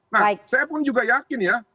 nah saya pun juga yakin ya